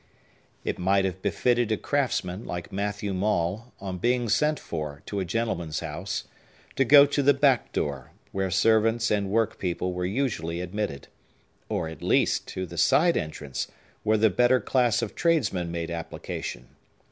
It might have befitted a craftsman, like Matthew Maule, on being sent for to a gentleman's house, to go to the back door, where servants and work people were usually admitted; or at least to the side entrance, where the better class of tradesmen made application.